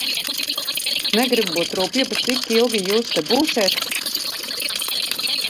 Negribu būt rupja, bet cik ilgi jūs te būsiet?